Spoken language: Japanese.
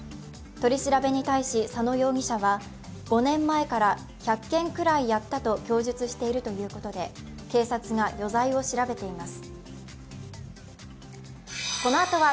取り調べに対し、佐野容疑者は５年前から１００件ぐらいやったと供述しているということで警察が余罪を調べています。